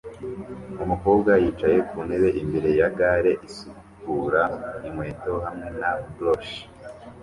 Umukobwa yicaye ku ntebe imbere ya gare isukura inkweto hamwe na brush